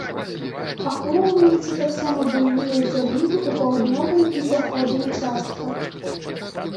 Ахоўваюцца таксама буйныя залівы ў паўднёвай і заходняй частках.